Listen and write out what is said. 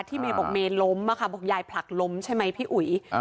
เมย์บอกเมย์ล้มบอกยายผลักล้มใช่ไหมพี่อุ๋ย